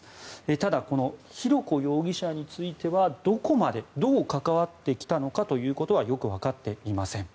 ただ、この浩子容疑者についてはどこまで、どう関わってきたのかということはよくわかっていません。